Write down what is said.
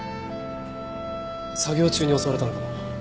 作業中に襲われたのかも。